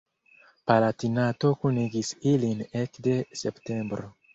Palatinato kunigis ilin ekde septembro.